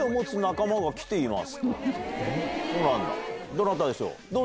どなたでしょう？